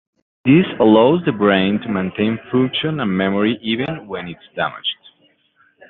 This allows the brain to maintain function and memory even when it is damaged.